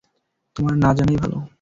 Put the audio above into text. তোমার না জানাই ভালো।